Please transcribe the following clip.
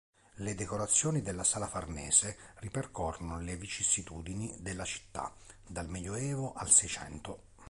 Le decorazioni della "Sala Farnese" ripercorrono le vicissitudini della città dal Medioevo al Seicento.